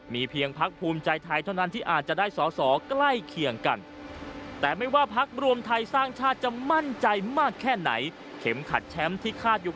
มีเพียงพักภูมิใจไทยเท่านั้นที่อาจจะได้